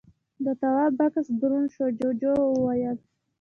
د تواب بکس دروند شو، جُوجُو وويل: